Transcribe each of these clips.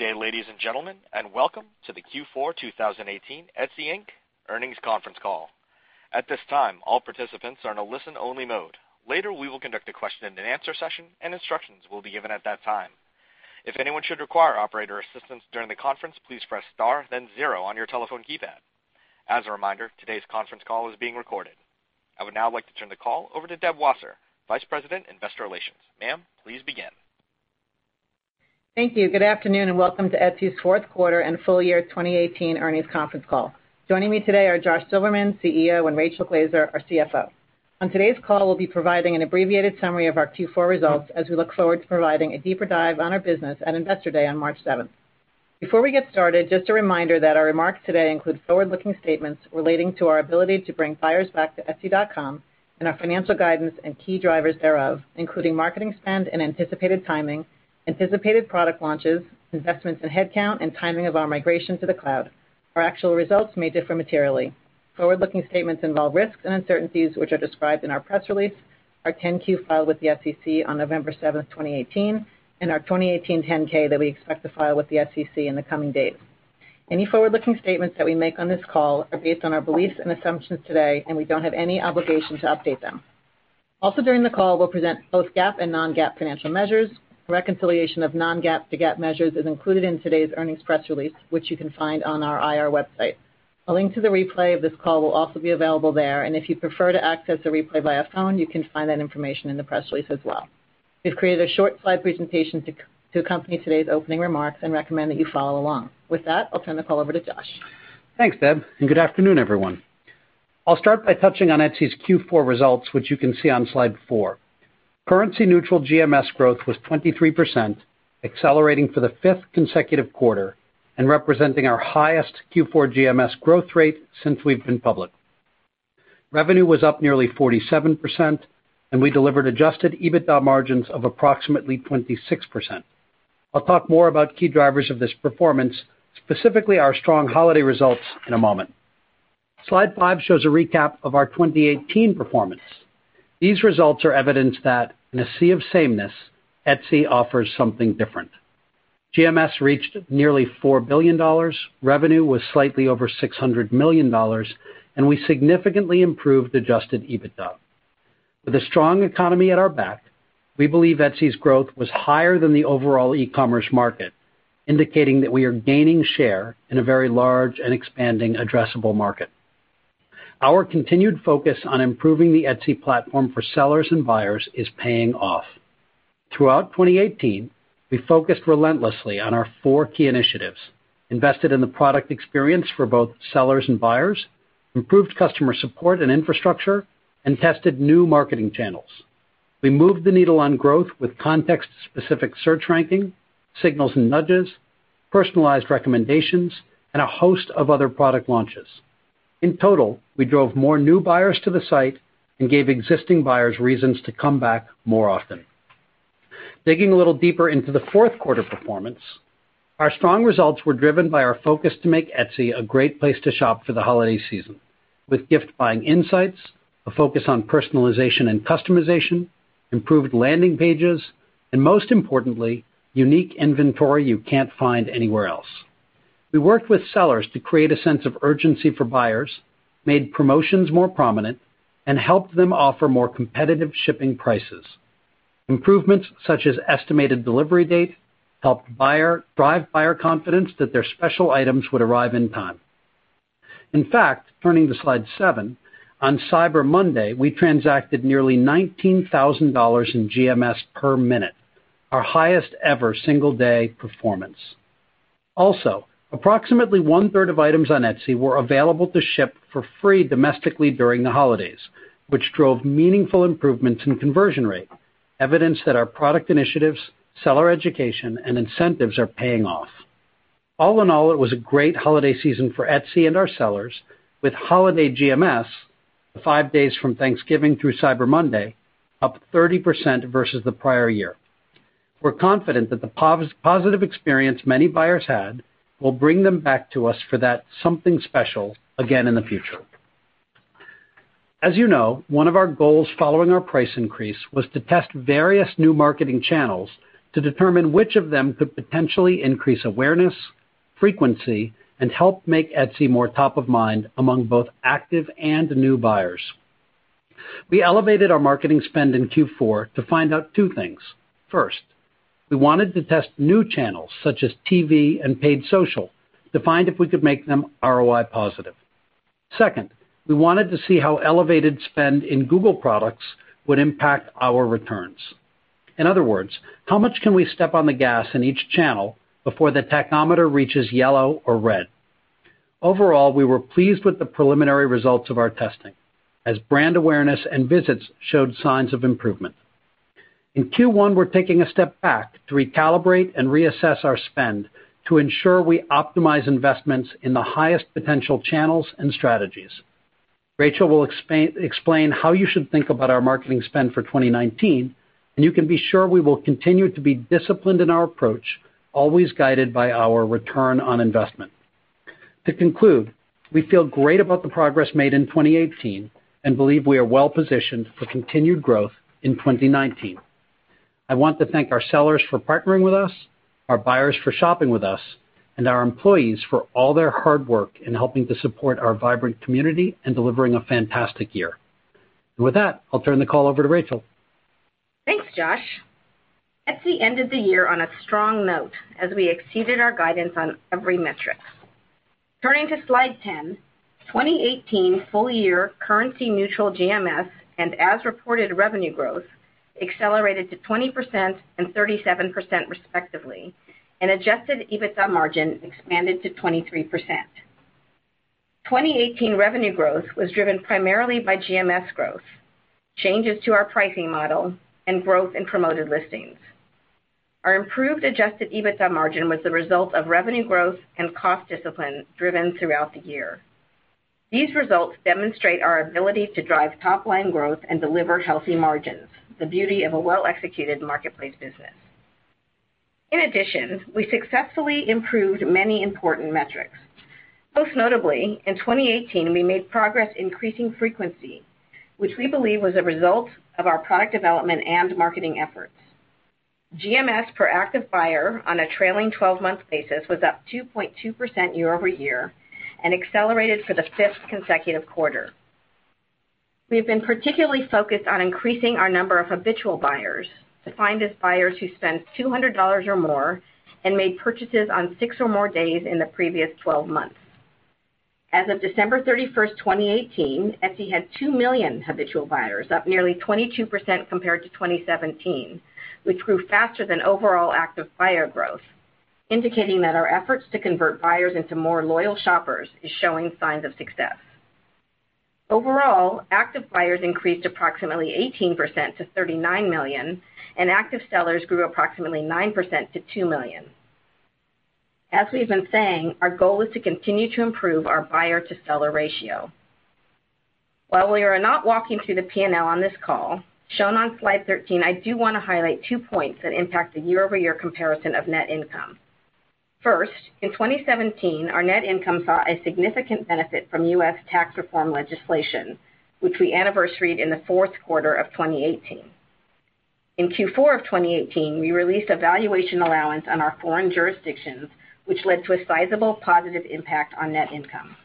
Good day, ladies and gentlemen, and welcome to the Q4 2018 Etsy, Inc. earnings conference call. At this time, all participants are in a listen-only mode. Later, we will conduct a question and answer session, and instructions will be given at that time. If anyone should require operator assistance during the conference, please press star then zero on your telephone keypad. As a reminder, today's conference call is being recorded. I would now like to turn the call over to Deb Wasser, Vice President, Investor Relations. Ma'am, please begin. Thank you. Good afternoon, and welcome to Etsy's fourth quarter and full year 2018 earnings conference call. Joining me today are Josh Silverman, CEO, and Rachel Glaser, our CFO. On today's call, we'll be providing an abbreviated summary of our Q4 results as we look forward to providing a deeper dive on our business at Investor Day on March 7th. Before we get started, just a reminder that our remarks today include forward-looking statements relating to our ability to bring buyers back to etsy.com and our financial guidance and key drivers thereof, including marketing spend and anticipated timing, anticipated product launches, investments in headcount, and timing of our migration to the cloud. Forward-looking statements involve risks and uncertainties, which are described in our press release, our 10-Q filed with the SEC on November 7th, 2018, and our 2018 10-K that we expect to file with the SEC in the coming days. Any forward-looking statements that we make on this call are based on our beliefs and assumptions today, and we don't have any obligation to update them. Also during the call, we'll present both GAAP and non-GAAP financial measures. Reconciliation of non-GAAP to GAAP measures is included in today's earnings press release, which you can find on our IR website. A link to the replay of this call will also be available there, and if you prefer to access a replay via phone, you can find that information in the press release as well. We've created a short slide presentation to accompany today's opening remarks and recommend that you follow along. With that, I'll turn the call over to Josh. Thanks, Deb. Good afternoon, everyone. I'll start by touching on Etsy's Q4 results, which you can see on slide four. Currency-neutral GMS growth was 23%, accelerating for the fifth consecutive quarter and representing our highest Q4 GMS growth rate since we've been public. Revenue was up nearly 47%. We delivered adjusted EBITDA margins of approximately 26%. I'll talk more about key drivers of this performance, specifically our strong holiday results, in a moment. Slide five shows a recap of our 2018 performance. These results are evidence that in a sea of sameness, Etsy offers something different. GMS reached nearly $4 billion, revenue was slightly over $600 million. We significantly improved adjusted EBITDA. With a strong economy at our back, we believe Etsy's growth was higher than the overall e-commerce market, indicating that we are gaining share in a very large and expanding addressable market. Our continued focus on improving the Etsy platform for sellers and buyers is paying off. Throughout 2018, we focused relentlessly on our four key initiatives, invested in the product experience for both sellers and buyers, improved customer support and infrastructure. We tested new marketing channels. We moved the needle on growth with context-specific search ranking, signals and nudges, personalized recommendations. A host of other product launches. In total, we drove more new buyers to the site and gave existing buyers reasons to come back more often. Digging a little deeper into the fourth quarter performance, our strong results were driven by our focus to make Etsy a great place to shop for the holiday season with gift-buying insights, a focus on personalization and customization, improved landing pages. Most importantly, unique inventory you can't find anywhere else. We worked with sellers to create a sense of urgency for buyers, made promotions more prominent. We helped them offer more competitive shipping prices. Improvements such as estimated delivery date helped drive buyer confidence that their special items would arrive in time. In fact, turning to slide seven, on Cyber Monday, we transacted nearly $19,000 in GMS per minute, our highest-ever single-day performance. Also, approximately one-third of items on Etsy were available to ship for free domestically during the holidays, which drove meaningful improvements in conversion rate, evidence that our product initiatives, seller education, and incentives are paying off. All in all, it was a great holiday season for Etsy and our sellers, with holiday GMS, the five days from Thanksgiving through Cyber Monday, up 30% versus the prior year. We're confident that the positive experience many buyers had will bring them back to us for that something special again in the future. As you know, one of our goals following our price increase was to test various new marketing channels to determine which of them could potentially increase awareness, frequency. We helped make Etsy more top of mind among both active and new buyers. We elevated our marketing spend in Q4 to find out two things. First, we wanted to test new channels such as TV and paid social to find if we could make them ROI positive. Second, we wanted to see how elevated spend in Google products would impact our returns. In other words, how much can we step on the gas in each channel before the tachometer reaches yellow or red? Overall, we were pleased with the preliminary results of our testing as brand awareness and visits showed signs of improvement. In Q1, we're taking a step back to recalibrate and reassess our spend to ensure we optimize investments in the highest potential channels and strategies. Rachel will explain how you should think about our marketing spend for 2019, you can be sure we will continue to be disciplined in our approach, always guided by our return on investment. To conclude, we feel great about the progress made in 2018, and believe we are well-positioned for continued growth in 2019. I want to thank our sellers for partnering with us, our buyers for shopping with us, and our employees for all their hard work in helping to support our vibrant community and delivering a fantastic year. With that, I'll turn the call over to Rachel. Thanks, Josh. Etsy ended the year on a strong note, as we exceeded our guidance on every metric. Turning to Slide 10, 2018 full year currency-neutral GMS, and as-reported revenue growth accelerated to 20% and 37% respectively, and adjusted EBITDA margin expanded to 23%. 2018 revenue growth was driven primarily by GMS growth, changes to our pricing model, and growth in Promoted Listings. Our improved adjusted EBITDA margin was the result of revenue growth and cost discipline driven throughout the year. These results demonstrate our ability to drive top-line growth and deliver healthy margins, the beauty of a well-executed marketplace business. In addition, we successfully improved many important metrics. Most notably, in 2018, we made progress increasing frequency, which we believe was a result of our product development and marketing efforts. GMS per active buyer on a trailing 12-month basis was up 2.2% year-over-year and accelerated for the fifth consecutive quarter. We have been particularly focused on increasing our number of habitual buyers, defined as buyers who spent $200 or more and made purchases on six or more days in the previous 12 months. As of December 31st, 2018, Etsy had 2 million habitual buyers, up nearly 22% compared to 2017, which grew faster than overall active buyer growth, indicating that our efforts to convert buyers into more loyal shoppers is showing signs of success. Overall, active buyers increased approximately 18% to 39 million, and active sellers grew approximately 9% to 2 million. As we've been saying, our goal is to continue to improve our buyer to seller ratio. While we are not walking through the P&L on this call, shown on Slide 13, I do want to highlight two points that impact the year-over-year comparison of net income. First, in 2017, our net income saw a significant benefit from U.S. tax reform legislation, which we anniversaried in the fourth quarter of 2018. In Q4 of 2018, we released a valuation allowance on our foreign jurisdictions, which led to a sizable positive impact on net income.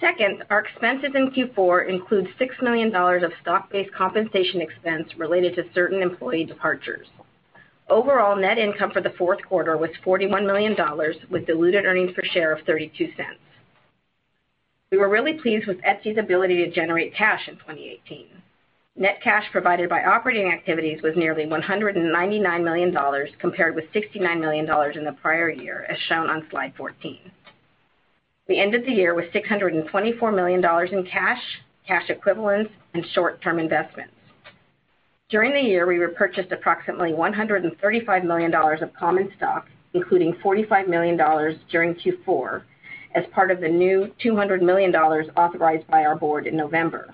Second, our expenses in Q4 include $6 million of stock-based compensation expense related to certain employee departures. Overall net income for the fourth quarter was $41 million with diluted earnings per share of $0.32. We were really pleased with Etsy's ability to generate cash in 2018. Net cash provided by operating activities was nearly $199 million, compared with $69 million in the prior year, as shown on Slide 14. We ended the year with $624 million in cash equivalents, and short-term investments. During the year, we repurchased approximately $135 million of common stock, including $45 million during Q4 as part of the new $200 million authorized by our board in November.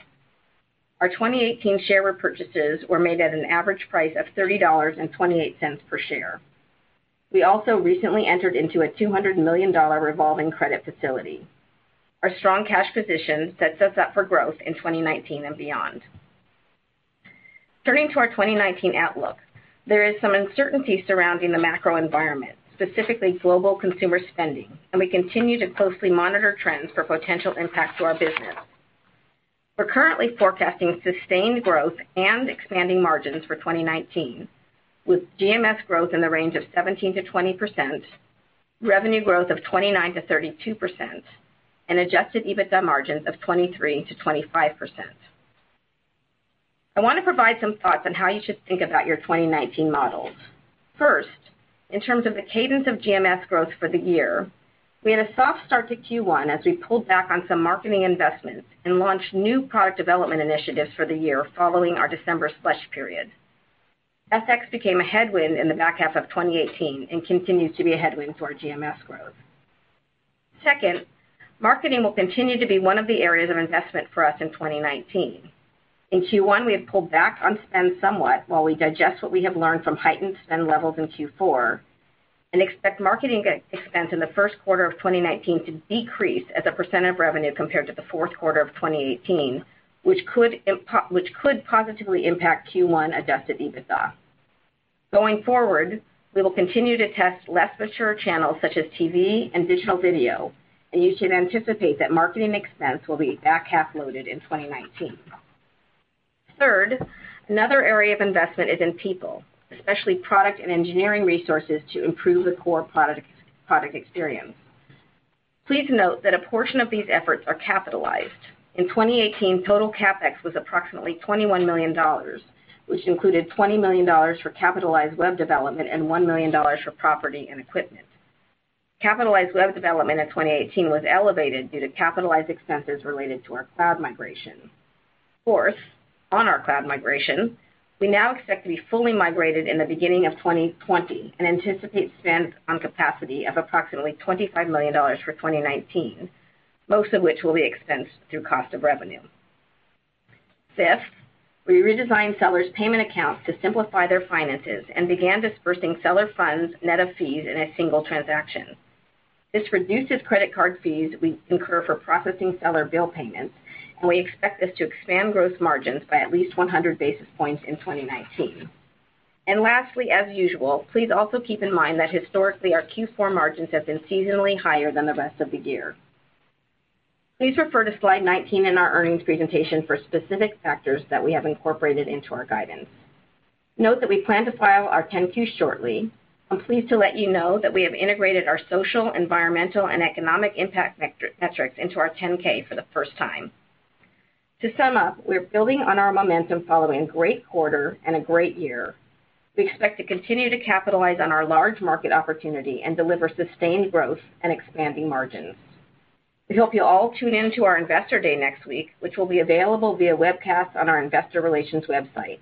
Our 2018 share repurchases were made at an average price of $30.28 per share. We also recently entered into a $200 million revolving credit facility. Our strong cash position sets us up for growth in 2019 and beyond. Turning to our 2019 outlook, there is some uncertainty surrounding the macro environment, specifically global consumer spending, and we continue to closely monitor trends for potential impact to our business. We're currently forecasting sustained growth and expanding margins for 2019, with GMS growth in the range of 17%-20%, revenue growth of 29%-32%, and adjusted EBITDA margins of 23%-25%. I want to provide some thoughts on how you should think about your 2019 models. First, in terms of the cadence of GMS growth for the year, we had a soft start to Q1 as we pulled back on some marketing investments and launched new product development initiatives for the year following our December slush period. FX became a headwind in the back half of 2018 and continues to be a headwind to our GMS growth. Second, marketing will continue to be one of the areas of investment for us in 2019. In Q1, we have pulled back on spend somewhat while we digest what we have learned from heightened spend levels in Q4 and expect marketing expense in the first quarter of 2019 to decrease as a percent of revenue compared to the fourth quarter of 2018, which could positively impact Q1 adjusted EBITDA. Going forward, we will continue to test less mature channels such as TV and digital video, and you should anticipate that marketing expense will be back half loaded in 2019. Third, another area of investment is in people, especially product and engineering resources to improve the core product experience. Please note that a portion of these efforts are capitalized. In 2018, total CapEx was approximately $21 million, which included $20 million for capitalized web development and $1 million for property and equipment. Capitalized web development in 2018 was elevated due to capitalized expenses related to our cloud migration. Fourth, on our cloud migration, we now expect to be fully migrated in the beginning of 2020 and anticipate spend on capacity of approximately $25 million for 2019, most of which will be expensed through cost of revenue. Fifth, we redesigned sellers' payment accounts to simplify their finances and began disbursing seller funds net of fees in a single transaction. This reduces credit card fees we incur for processing seller bill payments, and we expect this to expand gross margins by at least 100 basis points in 2019. Lastly, as usual, please also keep in mind that historically, our Q4 margins have been seasonally higher than the rest of the year. Please refer to slide 19 in our earnings presentation for specific factors that we have incorporated into our guidance. Note that we plan to file our 10-Q shortly. I'm pleased to let you know that we have integrated our social, environmental, and economic impact metrics into our 10-K for the first time. To sum up, we're building on our momentum following a great quarter and a great year. We expect to continue to capitalize on our large market opportunity and deliver sustained growth and expanding margins. We hope you'll all tune in to our Investor Day next week, which will be available via webcast on our investor relations website.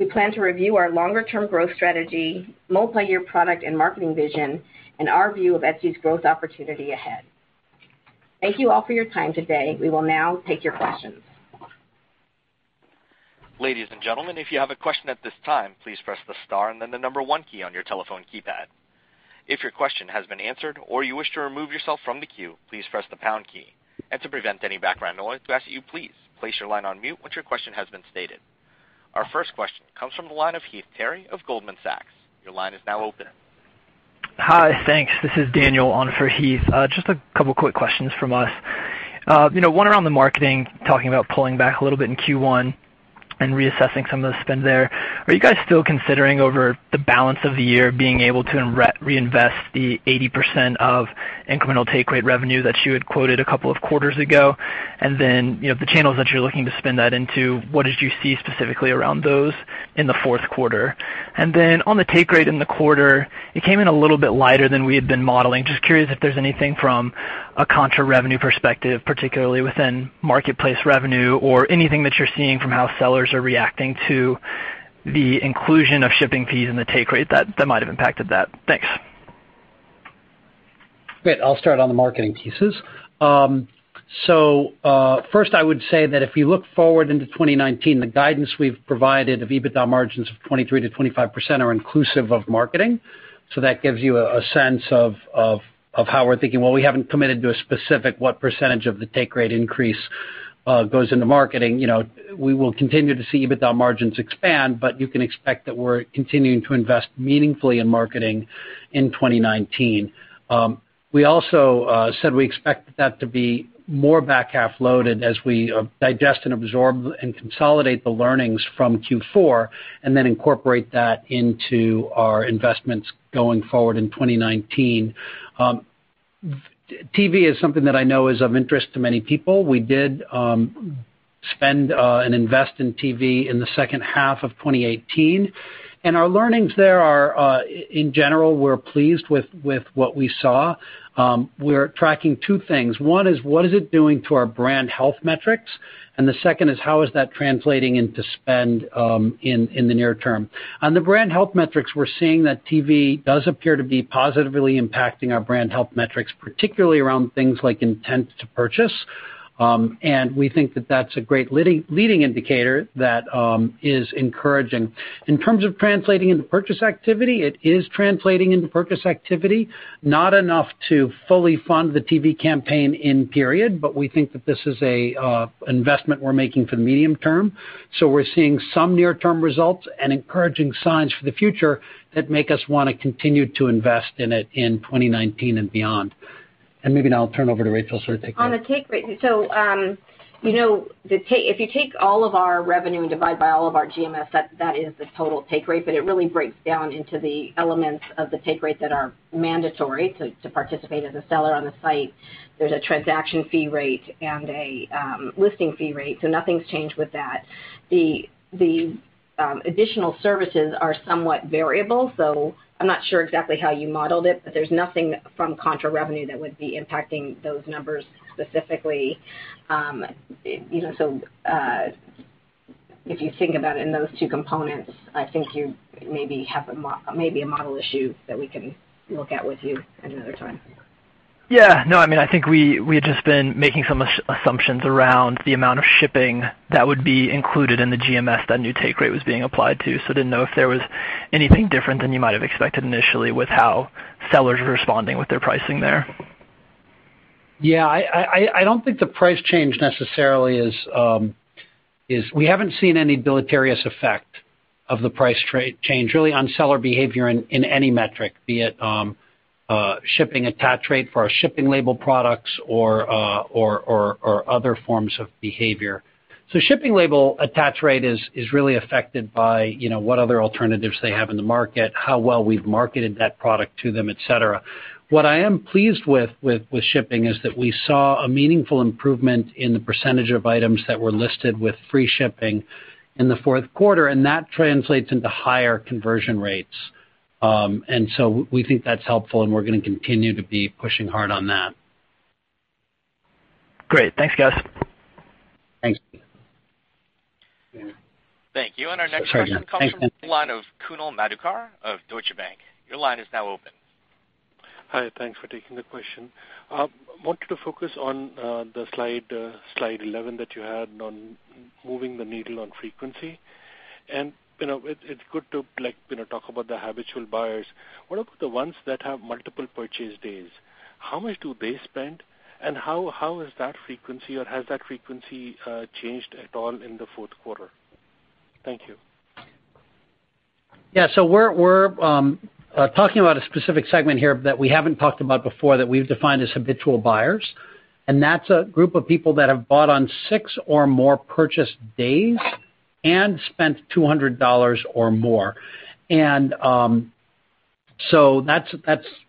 We plan to review our longer-term growth strategy, multi-year product and marketing vision, and our view of Etsy's growth opportunity ahead. Thank you all for your time today. We will now take your questions. Ladies and gentlemen, if you have a question at this time, please press the star and then the number one key on your telephone keypad. If your question has been answered or you wish to remove yourself from the queue, please press the pound key. To prevent any background noise, we ask that you please place your line on mute once your question has been stated. Our first question comes from the line of Heath Terry of Goldman Sachs. Your line is now open. Hi. Thanks. This is Daniel on for Heath. Just a couple quick questions from us. One around the marketing, talking about pulling back a little bit in Q1 and reassessing some of the spend there. Are you guys still considering over the balance of the year being able to reinvest the 80% of incremental take rate revenue that you had quoted a couple of quarters ago? The channels that you're looking to spend that into, what did you see specifically around those in the fourth quarter? On the take rate in the quarter, it came in a little bit lighter than we had been modeling. Just curious if there's anything from a contra revenue perspective, particularly within marketplace revenue or anything that you're seeing from how sellers are reacting to the inclusion of shipping fees and the take rate that might have impacted that. Thanks. Great. I'll start on the marketing pieces. First I would say that if you look forward into 2019, the guidance we've provided of EBITDA margins of 23%-25% are inclusive of marketing. That gives you a sense of how we're thinking. While we haven't committed to a specific what percentage of the take rate increase goes into marketing. We will continue to see EBITDA margins expand, but you can expect that we're continuing to invest meaningfully in marketing in 2019. We also said we expect that to be more back-half loaded as we digest and absorb and consolidate the learnings from Q4, incorporate that into our investments going forward in 2019. TV is something that I know is of interest to many people. We did spend and invest in TV in the second half of 2018. Our learnings there are, in general, we're pleased with what we saw. We're tracking two things. One is, what is it doing to our brand health metrics? The second is, how is that translating into spend in the near term? On the brand health metrics, we're seeing that TV does appear to be positively impacting our brand health metrics, particularly around things like intent to purchase. We think that that's a great leading indicator that is encouraging. In terms of translating into purchase activity, it is translating into purchase activity, not enough to fully fund the TV campaign in period, but we think that this is an investment we're making for the medium term. We're seeing some near-term results and encouraging signs for the future that make us want to continue to invest in it in 2019 and beyond. Maybe now I'll turn over to Rachel to sort of take. On the take rate. If you take all of our revenue and divide by all of our GMS, that is the total take rate, but it really breaks down into the elements of the take rate that are mandatory to participate as a seller on the site. There's a transaction fee rate and a listing fee rate. Nothing's changed with that. The additional services are somewhat variable, so I'm not sure exactly how you modeled it, but there's nothing from contra revenue that would be impacting those numbers specifically. If you think about it in those two components, I think you maybe have a model issue that we can look at with you at another time. Yeah. No, I think we had just been making some assumptions around the amount of shipping that would be included in the GMS that a new take rate was being applied to. Didn't know if there was anything different than you might have expected initially with how sellers were responding with their pricing there. Yeah, I don't think the price change necessarily. We haven't seen any deleterious effect of the price change really on seller behavior in any metric, be it shipping attach rate for our shipping label products or other forms of behavior. Shipping label attach rate is really affected by what other alternatives they have in the market, how well we've marketed that product to them, et cetera. What I am pleased with shipping is that we saw a meaningful improvement in the percentage of items that were listed with free shipping in the fourth quarter, and that translates into higher conversion rates. We think that's helpful and we're going to continue to be pushing hard on that. Great. Thanks, guys. Thanks. Thank you. Our next question comes from the line of Kunal Madhukar of Deutsche Bank. Your line is now open. Hi. Thanks for taking the question. Wanted to focus on the slide 11 that you had on moving the needle on frequency. It's good to talk about the habitual buyers. What about the ones that have multiple purchase days? How much do they spend, and how has that frequency, or has that frequency changed at all in the fourth quarter? Thank you. Yeah. We're talking about a specific segment here that we haven't talked about before, that we've defined as habitual buyers, and that's a group of people that have bought on six or more purchase days and spent $200 or more. That's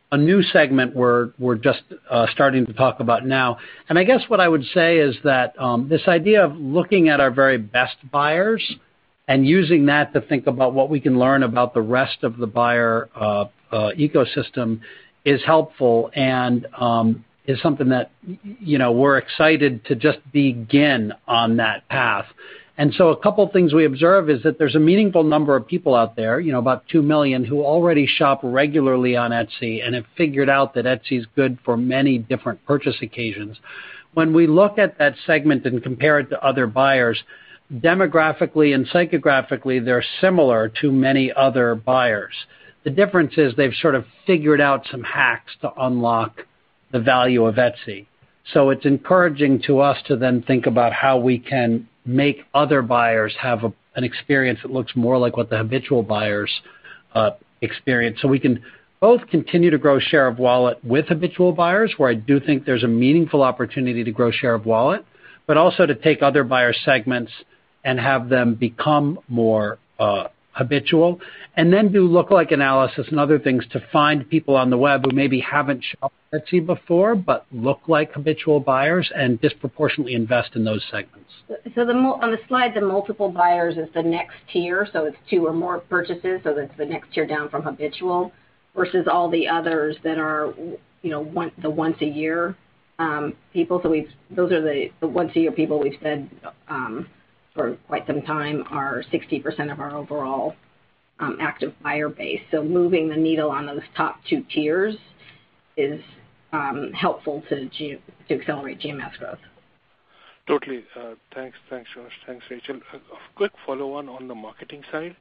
a new segment we're just starting to talk about now. I guess what I would say is that, this idea of looking at our very best buyers and using that to think about what we can learn about the rest of the buyer ecosystem is helpful and is something that we're excited to just begin on that path. A couple of things we observe is that there's a meaningful number of people out there, about 2 million, who already shop regularly on Etsy and have figured out that Etsy is good for many different purchase occasions. When we look at that segment and compare it to other buyers, demographically and psychographically, they're similar to many other buyers. The difference is they've sort of figured out some hacks to unlock the value of Etsy. It's encouraging to us to then think about how we can make other buyers have an experience that looks more like what the habitual buyers experience. We can both continue to grow share of wallet with habitual buyers, where I do think there's a meaningful opportunity to grow share of wallet, but also to take other buyer segments and have them become more habitual. Do lookalike analysis and other things to find people on the web who maybe haven't shopped Etsy before but look like habitual buyers, and disproportionately invest in those segments. On the slide, the multiple buyers is the next tier, so it's two or more purchases. That's the next tier down from habitual versus all the others that are the once a year people. The once a year people, we've said for quite some time, are 60% of our overall active buyer base. Moving the needle on those top two tiers is helpful to accelerate GMS growth. Totally. Thanks, Josh. Thanks, Rachel. A quick follow-on on the marketing side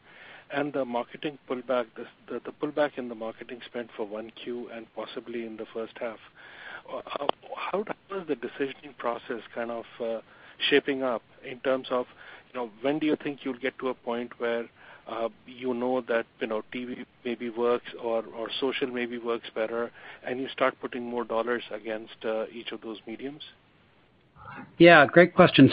and the marketing pullback, the pullback in the marketing spend for 1Q and possibly in the first half. How is the decision process kind of shaping up in terms of when do you think you'll get to a point where you know that TV maybe works or social maybe works better, and you start putting more dollars against each of those mediums? Yeah, great question.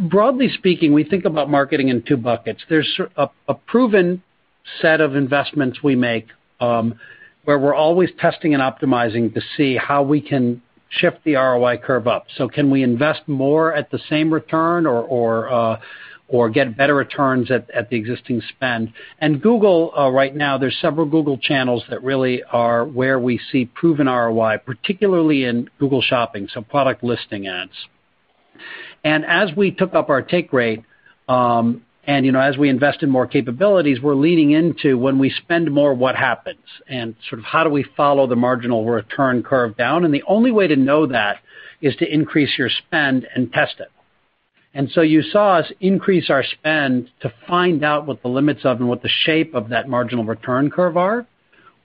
Broadly speaking, we think about marketing in two buckets. There's a proven set of investments we make, where we're always testing and optimizing to see how we can shift the ROI curve up. Can we invest more at the same return or get better returns at the existing spend? Google right now, there's several Google channels that really are where we see proven ROI, particularly in Google Shopping, so product listing ads. As we took up our take rate, and as we invest in more capabilities, we're leaning into when we spend more, what happens, and sort of how do we follow the marginal return curve down. The only way to know that is to increase your spend and test it. You saw us increase our spend to find out what the limits of, and what the shape of that marginal return curve are.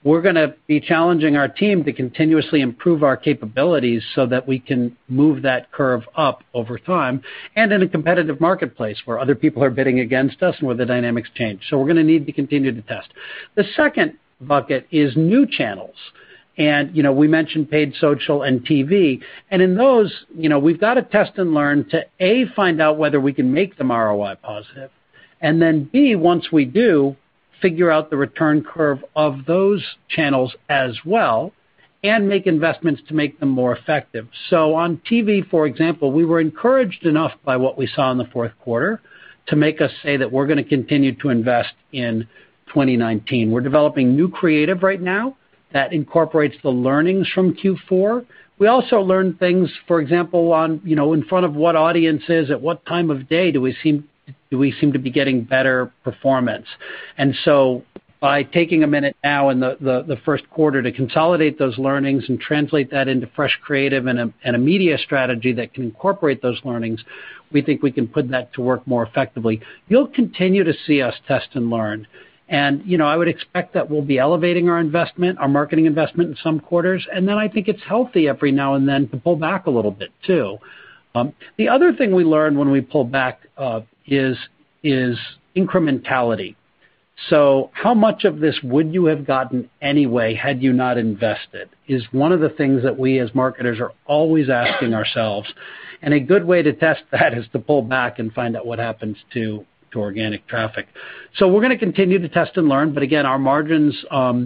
We're going to be challenging our team to continuously improve our capabilities so that we can move that curve up over time, and in a competitive marketplace where other people are bidding against us and where the dynamics change. We're going to need to continue to test. The second bucket is new channels, and we mentioned paid social and TV. In those, we've got to test and learn to, A, find out whether we can make them ROI positive, and then, B, once we do, figure out the return curve of those channels as well and make investments to make them more effective. On TV, for example, we were encouraged enough by what we saw in the fourth quarter to make us say that we're going to continue to invest in 2019. We're developing new creative right now that incorporates the learnings from Q4. We also learned things, for example, on in front of what audiences, at what time of day do we seem to be getting better performance. By taking a minute now in the first quarter to consolidate those learnings and translate that into fresh creative and a media strategy that can incorporate those learnings, we think we can put that to work more effectively. You'll continue to see us test and learn, and I would expect that we'll be elevating our investment, our marketing investment in some quarters, and then I think it's healthy every now and then to pull back a little bit, too. The other thing we learned when we pulled back is incrementality. How much of this would you have gotten anyway had you not invested is one of the things that we as marketers are always asking ourselves. A good way to test that is to pull back and find out what happens to organic traffic. We're going to continue to test and learn, but again, our margins, the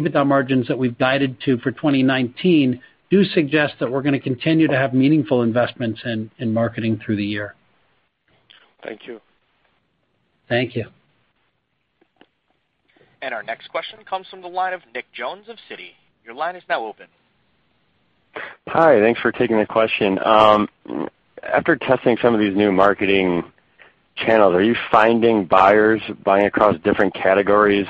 EBITDA margins that we've guided to for 2019 do suggest that we're going to continue to have meaningful investments in marketing through the year. Thank you. Thank you. Our next question comes from the line of Nick Jones of Citi. Your line is now open Hi, thanks for taking the question. After testing some of these new marketing channels, are you finding buyers buying across different categories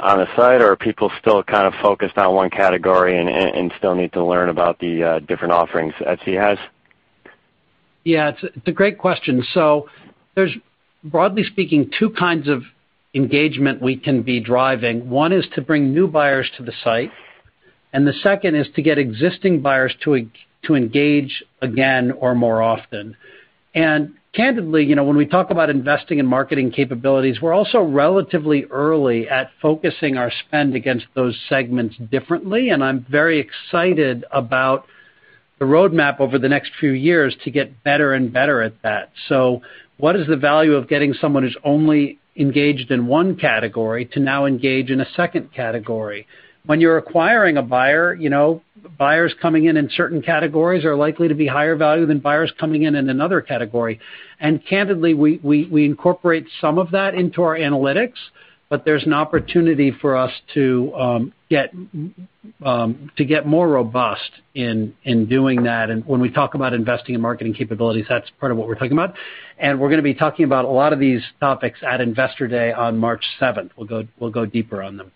on the site, or are people still kind of focused on one category and still need to learn about the different offerings Etsy has? It's a great question. There's, broadly speaking, two kinds of engagement we can be driving. One is to bring new buyers to the site, the second is to get existing buyers to engage again or more often. Candidly, when we talk about investing in marketing capabilities, we're also relatively early at focusing our spend against those segments differently, and I'm very excited about the roadmap over the next few years to get better and better at that. What is the value of getting someone who's only engaged in one category to now engage in a second category? When you're acquiring a buyer, buyers coming in in certain categories are likely to be higher value than buyers coming in in another category. Candidly, we incorporate some of that into our analytics, but there's an opportunity for us to get more robust in doing that. When we talk about investing in marketing capabilities, that's part of what we're talking about. We're going to be talking about a lot of these topics at Investor Day on March 7th. We'll go deeper on them.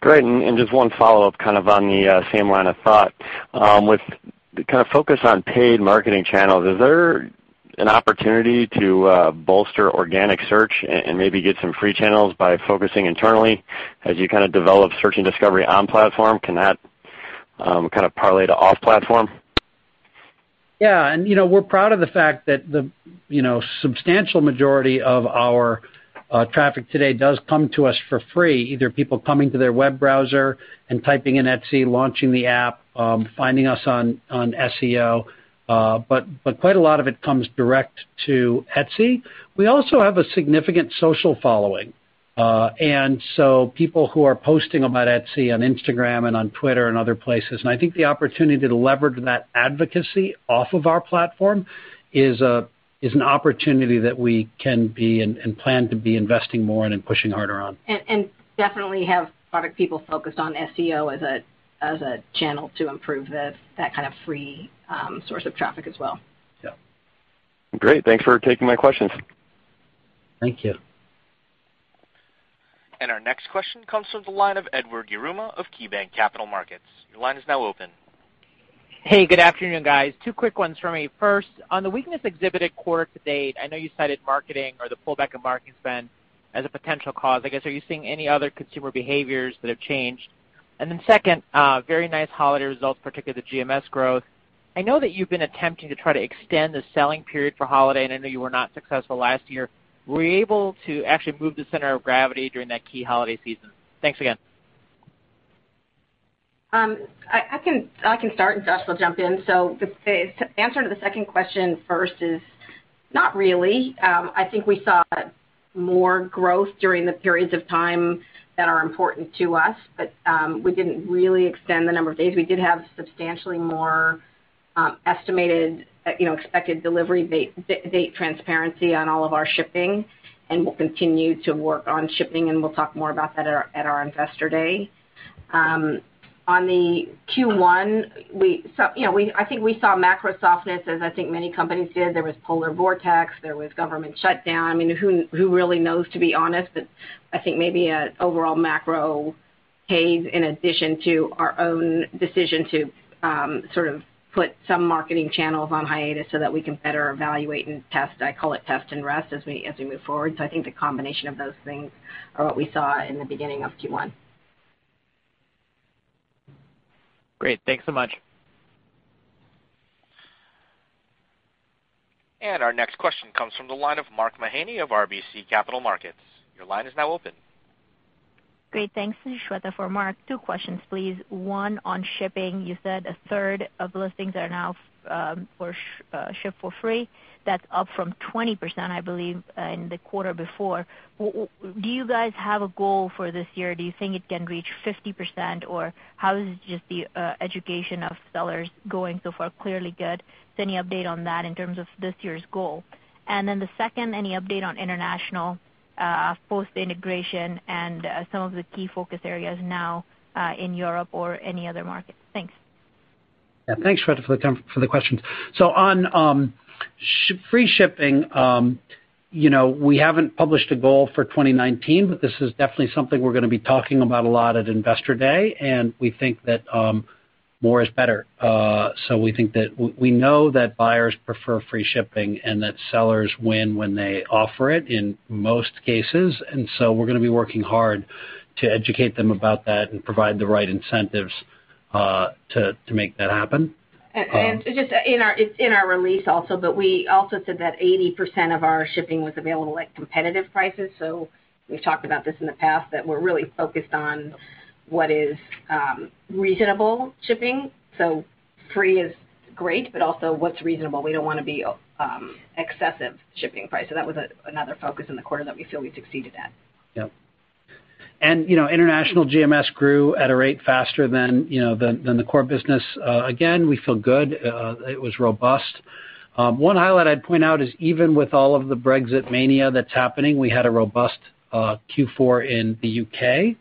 Great. Just one follow-up kind of on the same line of thought. With kind of focus on paid marketing channels, is there an opportunity to bolster organic search and maybe get some free channels by focusing internally as you kind of develop search and discovery on platform? Can that kind of parlay to off platform? We're proud of the fact that the substantial majority of our traffic today does come to us for free. Either people coming to their web browser and typing in Etsy, launching the app, finding us on SEO. Quite a lot of it comes direct to Etsy. We also have a significant social following, people who are posting about Etsy on Instagram and on Twitter and other places. I think the opportunity to leverage that advocacy off of our platform is an opportunity that we can be, and plan to be, investing more in and pushing harder on. Definitely have product people focused on SEO as a channel to improve that kind of free source of traffic as well. Yeah. Great. Thanks for taking my questions. Thank you. Our next question comes from the line of Edward Yruma of KeyBanc Capital Markets. Your line is now open. Hey, good afternoon, guys. Two quick ones from me. First, on the weakness exhibited quarter to date, I know you cited marketing or the pullback of marketing spend as a potential cause. I guess, are you seeing any other consumer behaviors that have changed? Second, very nice holiday results, particularly the GMS growth. I know that you've been attempting to try to extend the selling period for holiday, and I know you were not successful last year. Were you able to actually move the center of gravity during that key holiday season? Thanks again. I can start, and Josh will jump in. The answer to the second question first is, not really. I think we saw more growth during the periods of time that are important to us, but we didn't really extend the number of days. We did have substantially more estimated expected delivery date transparency on all of our shipping, and we'll continue to work on shipping, and we'll talk more about that at our Investor Day. On the Q1, I think we saw macro softness as I think many companies did. There was polar vortex, there was government shutdown. I mean, who really knows, to be honest? I think maybe an overall macro haze in addition to our own decision to sort of put some marketing channels on hiatus so that we can better evaluate and test. I call it test and rest as we move forward. I think the combination of those things are what we saw in the beginning of Q1. Great. Thanks so much. Our next question comes from the line of Mark Mahaney of RBC Capital Markets. Your line is now open. Great, thanks. This is Shweta for Mark. Two questions, please. One on shipping. You said a third of listings are now shipped for free. That's up from 20%, I believe, in the quarter before. Do you guys have a goal for this year? Do you think it can reach 50%, or how is just the education of sellers going so far? Clearly good. Any update on that in terms of this year's goal? Then the second, any update on international post integration and some of the key focus areas now, in Europe or any other markets? Thanks. Yeah, thanks, Shweta, for the questions. On free shipping, we haven't published a goal for 2019, but this is definitely something we're going to be talking about a lot at Investor Day, and we think that more is better. We know that buyers prefer free shipping and that sellers win when they offer it in most cases. We're going to be working hard to educate them about that and provide the right incentives to make that happen. It's in our release also, but we also said that 80% of our shipping was available at competitive prices. We've talked about this in the past, that we're really focused on what is reasonable shipping. Free is great, but also what's reasonable. We don't want to be excessive shipping price. That was another focus in the quarter that we feel we've succeeded at. Yep. International GMS grew at a rate faster than the core business. Again, we feel good. It was robust. One highlight I'd point out is even with all of the Brexit mania that's happening, we had a robust Q4 in the U.K.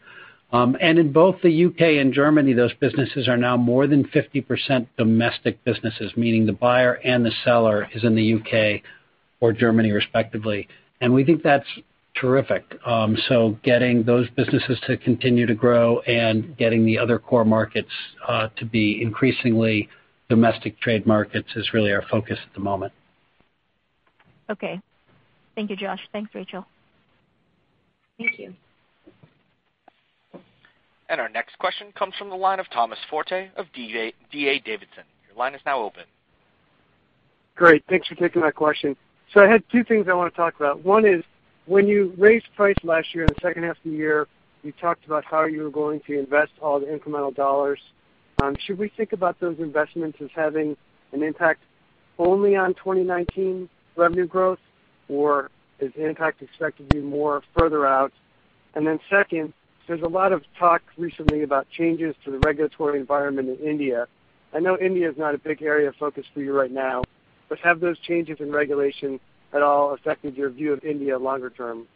In both the U.K. and Germany, those businesses are now more than 50% domestic businesses, meaning the buyer and the seller is in the U.K. or Germany respectively. We think that's terrific. Getting those businesses to continue to grow and getting the other core markets to be increasingly domestic trade markets is really our focus at the moment. Okay. Thank you, Josh. Thanks, Rachel. Thank you. Our next question comes from the line of Thomas Forte of D.A. Davidson. Your line is now open. Great. Thanks for taking my question. I had two things I want to talk about. One is, when you raised price last year in the second half of the year, you talked about how you were going to invest all the incremental dollars. Should we think about those investments as having an impact only on 2019 revenue growth? Or is the impact expected to be more further out? Second, there's a lot of talk recently about changes to the regulatory environment in India. I know India is not a big area of focus for you right now, but have those changes in regulation at all affected your view of India longer term?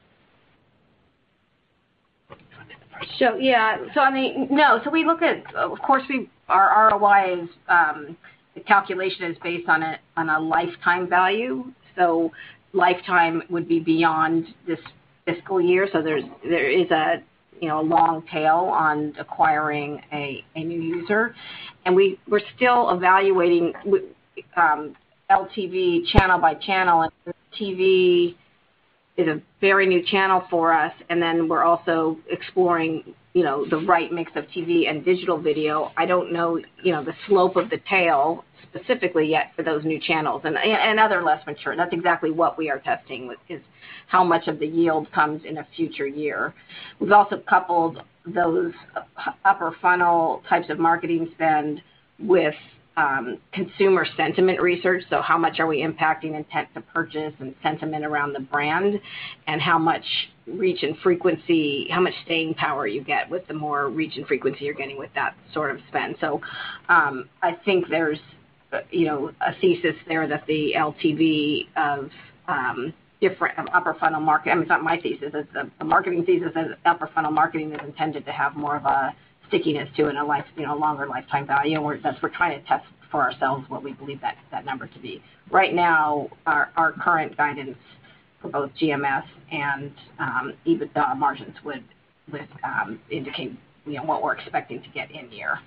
Yeah. I mean, no. Of course, our ROI, the calculation is based on a lifetime value. Lifetime would be beyond this fiscal year. We're still evaluating LTV channel by channel. TV is a very new channel for us, then we're also exploring the right mix of TV and digital video. I don't know the slope of the tail specifically yet for those new channels, and other less mature. That's exactly what we are testing, is how much of the yield comes in a future year. We've also coupled those upper funnel types of marketing spend with consumer sentiment research. How much are we impacting intent to purchase and sentiment around the brand? How much reach and frequency, how much staying power you get with the more reach and frequency you're getting with that sort of spend. I think there's a thesis there that the LTV of upper funnel market, I mean, it's not my thesis, it's the marketing thesis, that upper funnel marketing is intended to have more of a stickiness to it and a longer lifetime value, thus we're trying to test for ourselves what we believe that number to be. Right now, our current guidance for both GMS and EBITDA margins would indicate what we're expecting to get in the year.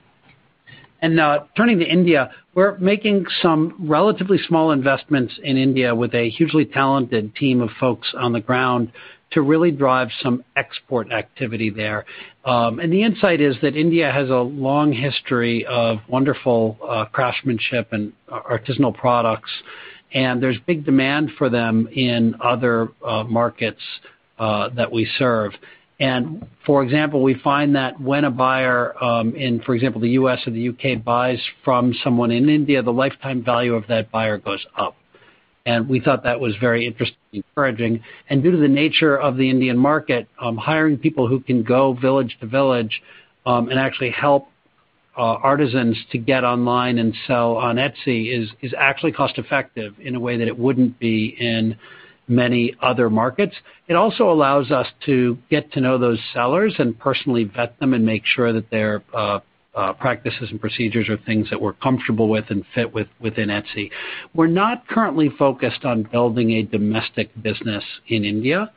Now turning to India, we're making some relatively small investments in India with a hugely talented team of folks on the ground to really drive some export activity there. The insight is that India has a long history of wonderful craftsmanship and artisanal products, there's big demand for them in other markets that we serve. For example, we find that when a buyer in, for example, the U.S. or the U.K. buys from someone in India, the lifetime value of that buyer goes up. We thought that was very interestingly encouraging. Due to the nature of the Indian market, hiring people who can go village to village, actually help artisans to get online and sell on Etsy is actually cost-effective in a way that it wouldn't be in many other markets. It also allows us to get to know those sellers and personally vet them and make sure that their practices and procedures are things that we're comfortable with and fit within Etsy. We're not currently focused on building a domestic business in India.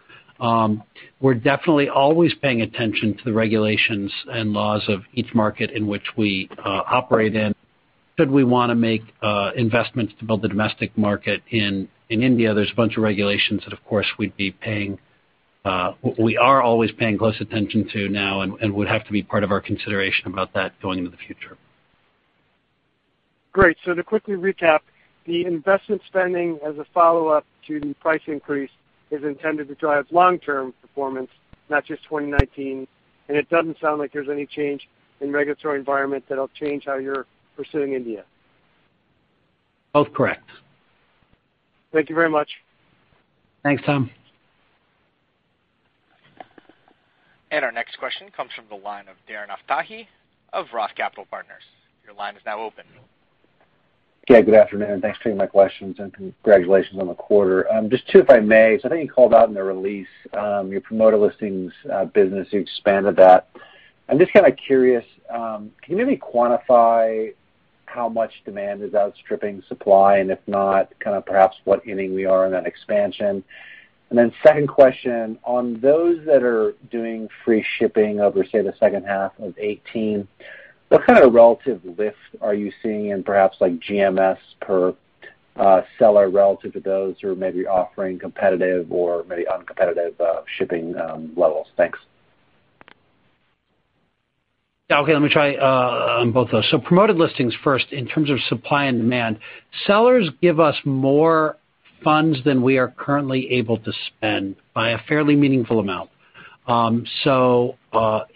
We're definitely always paying attention to the regulations and laws of each market in which we operate in. Should we want to make investments to build a domestic market in India, there's a bunch of regulations that, of course, we are always paying close attention to now and would have to be part of our consideration about that going into the future. Great. To quickly recap, the investment spending as a follow-up to the price increase is intended to drive long-term performance, not just 2019, and it doesn't sound like there's any change in regulatory environment that'll change how you're pursuing India. Both correct. Thank you very much. Thanks, Tom. Our next question comes from the line of Darren Aftahi of Roth Capital Partners. Your line is now open. Yeah, good afternoon. Thanks for taking my questions, and congratulations on the quarter. Just two, if I may. I think you called out in the release, your Promoted Listings business, you expanded that. I'm just kind of curious, can you maybe quantify how much demand is outstripping supply? If not, kind of perhaps what inning we are in that expansion. Then second question, on those that are doing free shipping over, say, the second half of 2018, what kind of relative lift are you seeing in perhaps like GMS per seller relative to those who are maybe offering competitive or maybe uncompetitive shipping levels? Thanks. Okay, let me try on both those. Promoted Listings first in terms of supply and demand. Sellers give us more funds than we are currently able to spend by a fairly meaningful amount.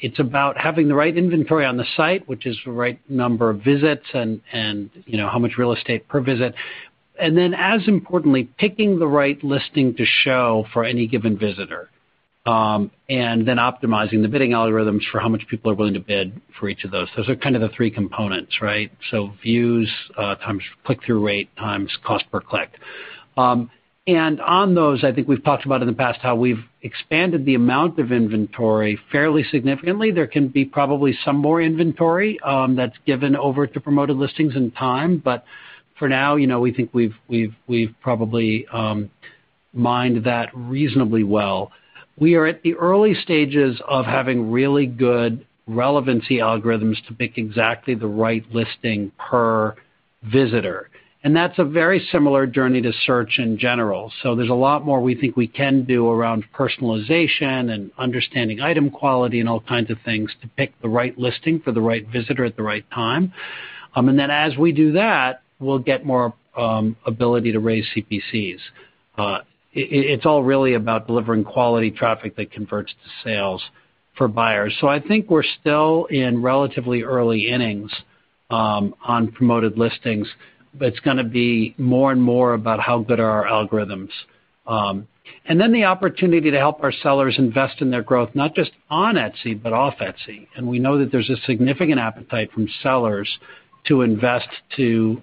It's about having the right inventory on the site, which is the right number of visits and how much real estate per visit. Then as importantly, picking the right listing to show for any given visitor. Then optimizing the bidding algorithms for how much people are willing to bid for each of those. Those are kind of the three components, right? Views times click-through rate, times cost per click. On those, I think we've talked about in the past how we've expanded the amount of inventory fairly significantly. There can be probably some more inventory that's given over to Promoted Listings in time. We think we've probably mined that reasonably well. We are at the early stages of having really good relevancy algorithms to pick exactly the right listing per visitor, that's a very similar journey to search in general. There's a lot more we think we can do around personalization and understanding item quality and all kinds of things to pick the right listing for the right visitor at the right time. As we do that, we'll get more ability to raise CPCs. It's all really about delivering quality traffic that converts to sales for buyers. I think we're still in relatively early innings on Promoted Listings, but it's going to be more and more about how good are our algorithms. The opportunity to help our sellers invest in their growth, not just on Etsy, but off Etsy. We know that there's a significant appetite from sellers to invest, to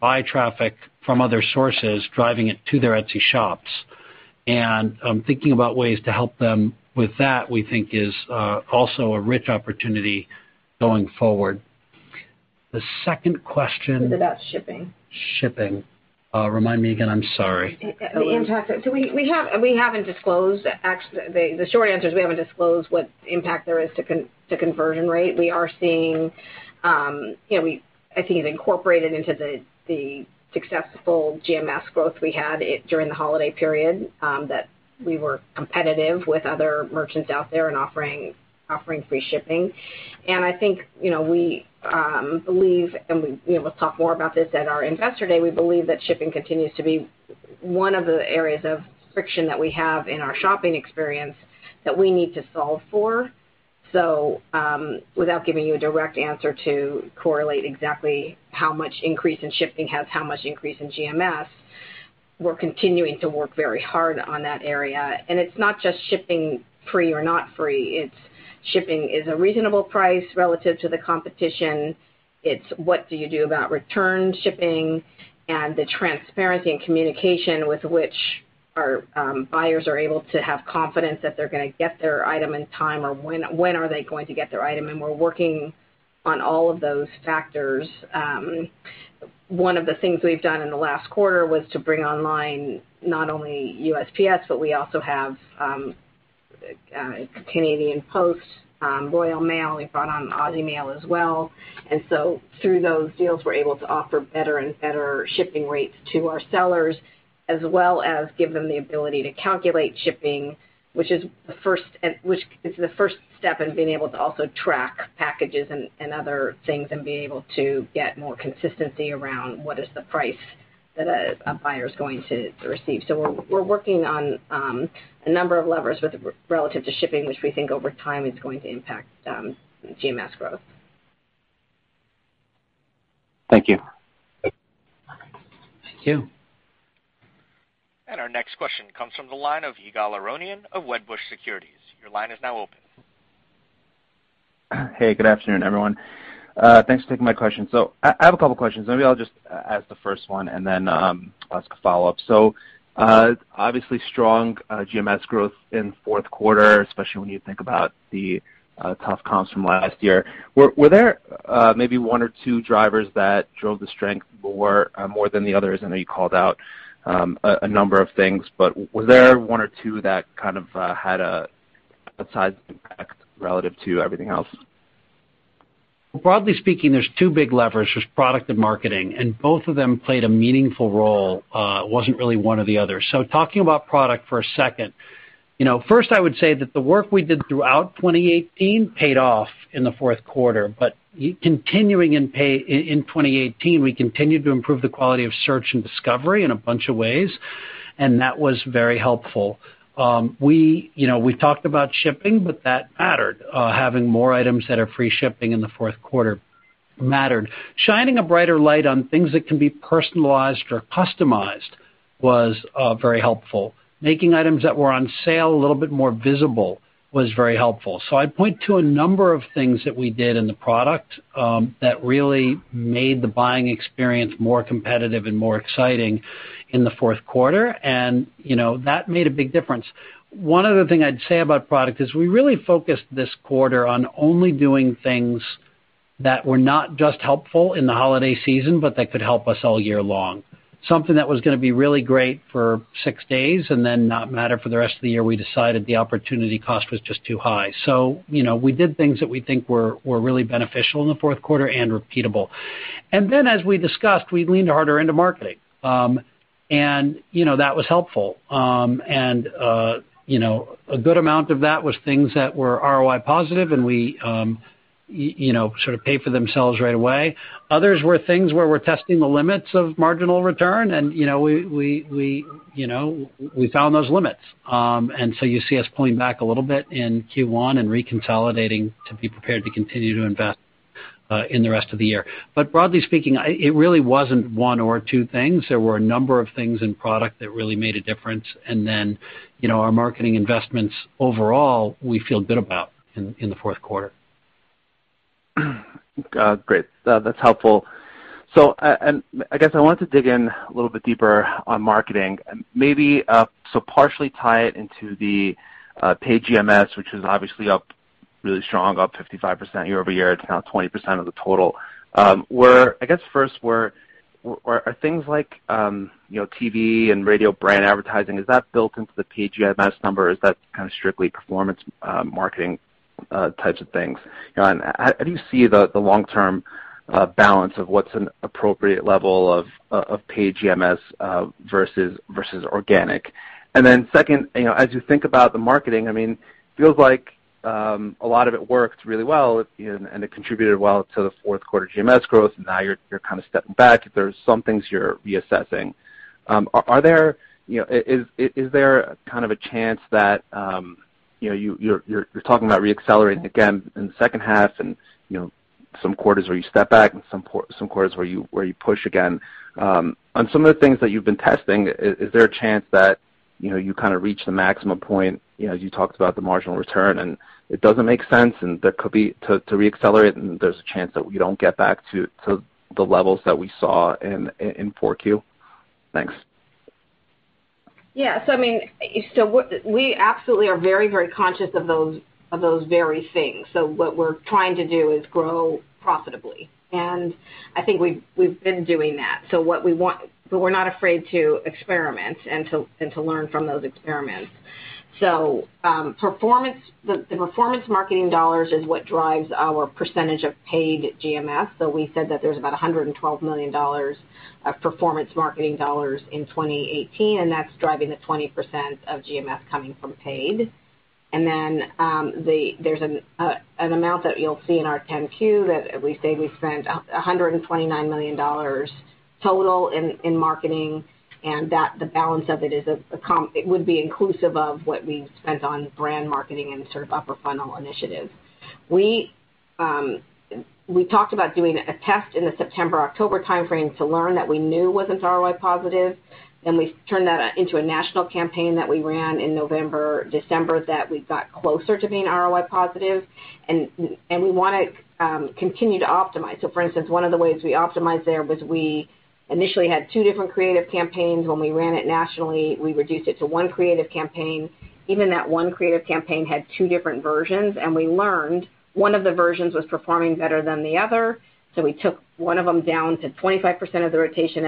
buy traffic from other sources, driving it to their Etsy shops. Thinking about ways to help them with that, we think, is also a rich opportunity going forward. The second question- Was about shipping. Shipping. Remind me again. I'm sorry. The impact. We haven't disclosed The short answer is we haven't disclosed what impact there is to conversion rate. I think it's incorporated into the successful GMS growth we had during the holiday period, that we were competitive with other merchants out there and offering free shipping. I think, we believe, and we'll talk more about this at our investor day, we believe that shipping continues to be one of the areas of friction that we have in our shopping experience that we need to solve for. Without giving you a direct answer to correlate exactly how much increase in shipping has how much increase in GMS, we're continuing to work very hard on that area. It's not just shipping free or not free, it's shipping is a reasonable price relative to the competition. It's what do you do about return shipping and the transparency and communication with which our buyers are able to have confidence that they're going to get their item in time, or when are they going to get their item, and we're working on all of those factors. One of the things we've done in the last quarter was to bring online not only USPS, but we also have Canada Post, Royal Mail. We've brought on Australia Post as well. Through those deals, we're able to offer better and better shipping rates to our sellers, as well as give them the ability to calculate shipping, which is the first step in being able to also track packages and other things, and being able to get more consistency around what is the price that a buyer's going to receive. We're working on a number of levers relative to shipping, which we think over time is going to impact GMS growth. Thank you. All right. Thank you. Our next question comes from the line of Ygal Arounian of Wedbush Securities. Your line is now open. Hey, good afternoon, everyone. Thanks for taking my question. I have a couple questions. Maybe I'll just ask the first one and then ask a follow-up. Obviously strong GMS growth in fourth quarter, especially when you think about the tough comps from last year. Were there maybe one or two drivers that drove the strength more than the others? I know you called out a number of things, but was there one or two that kind of had a outsized impact relative to everything else? Broadly speaking, there's two big levers. There's product and marketing, and both of them played a meaningful role. It wasn't really one or the other. Talking about product for a second, first I would say that the work we did throughout 2018 paid off in the fourth quarter. Continuing in 2018, we continued to improve the quality of search and discovery in a bunch of ways, and that was very helpful. We talked about shipping, but that mattered. Having more items that are free shipping in the fourth quarter mattered. Shining a brighter light on things that can be personalized or customized was very helpful. Making items that were on sale a little bit more visible was very helpful. I'd point to a number of things that we did in the product, that really made the buying experience more competitive and more exciting in the fourth quarter. That made a big difference. One other thing I'd say about product is we really focused this quarter on only doing things that were not just helpful in the holiday season, but that could help us all year long. Something that was going to be really great for six days and then not matter for the rest of the year, we decided the opportunity cost was just too high. We did things that we think were really beneficial in the fourth quarter and repeatable. Then as we discussed, we leaned harder into marketing. That was helpful. A good amount of that was things that were ROI positive and sort of paid for themselves right away. Others were things where we're testing the limits of marginal return and we found those limits. You see us pulling back a little bit in Q1 and reconsolidating to be prepared to continue to invest in the rest of the year. Broadly speaking, it really wasn't one or two things. There were a number of things in product that really made a difference. Our marketing investments overall, we feel good about in the fourth quarter. Great. That's helpful. I guess I wanted to dig in a little bit deeper on marketing. Maybe so partially tie it into the paid GMS, which is obviously up really strong, up 55% year-over-year. It's now 20% of the total. I guess first, are things like TV and radio brand advertising, is that built into the paid GMS number, or is that kind of strictly performance marketing types of things? How do you see the long-term balance of what's an appropriate level of paid GMS versus organic? Second, as you think about the marketing, it feels like a lot of it worked really well and it contributed well to the fourth quarter GMS growth. Now you're kind of stepping back. There's some things you're reassessing. You're talking about re-accelerating again in the second half, some quarters where you step back and some quarters where you push again. On some of the things that you've been testing, is there a chance that you kind of reach the maximum point as you talked about the marginal return, it doesn't make sense to re-accelerate, there's a chance that we don't get back to the levels that we saw in Q4? Thanks. Yeah. We absolutely are very, very conscious of those very things. What we're trying to do is grow profitably, I think we've been doing that. We're not afraid to experiment and to learn from those experiments. The performance marketing dollars is what drives our percentage of paid GMS. We said that there's about $112 million of performance marketing dollars in 2018, that's driving the 20% of GMS coming from paid. There's an amount that you'll see in our 10-Q that we say we spent $129 million total in marketing, the balance of it would be inclusive of what we've spent on brand marketing and sort of upper funnel initiatives. We talked about doing a test in the September-October timeframe to learn that we knew wasn't ROI positive. We turned that into a national campaign that we ran in November, December that we got closer to being ROI positive. We want to continue to optimize. For instance, one of the ways we optimized there was we initially had two different creative campaigns. When we ran it nationally, we reduced it to one creative campaign. Even that one creative campaign had two different versions, we learned one of the versions was performing better than the other. We took one of them down to 25% of the rotation,